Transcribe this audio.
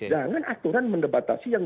jangan aturan mendebatasi yang